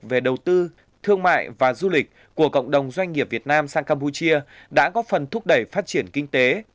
về đầu tư thương mại và du lịch của cộng đồng doanh nghiệp việt nam sang campuchia đã góp phần thúc đẩy phát triển kinh tế